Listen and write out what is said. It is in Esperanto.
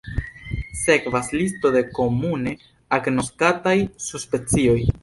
Sekvas listo de komune agnoskataj subspecioj.